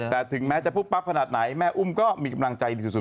แต่ถึงแม้จะปุ๊บปั๊บขนาดไหนแม่อุ้มก็มีกำลังใจดีสุด